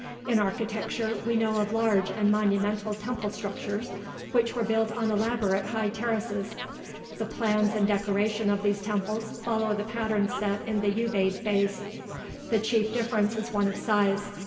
In architecture, we know of large and monumental temple structures, which were built on elaborate high terraces. The plans and decoration of these temples follow the pattern set in the Ubaid phase: the chief difference is one of size.